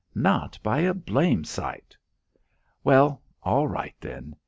Not by a blame sight!" "Well all right then.